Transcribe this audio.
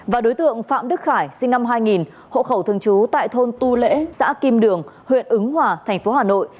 và đối tượng phạm đức khải sinh năm hai nghìn hộ khẩu thường trú tại thôn tu lễ xã kim đường huyện ứng hòa thành phố hà nội